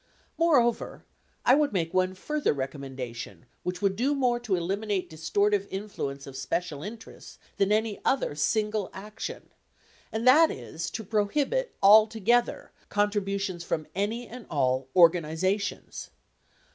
Moreover, I would make one further recom mendation which would do more to eliminate distortive influence of special interests than any other single action, and that is, to prohibit, altogether, contributions from any and all organizations.